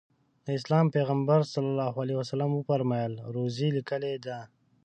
د اسلام پیغمبر ص وفرمایل روزي لیکلې ده.